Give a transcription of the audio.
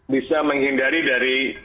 bisa menghindari dari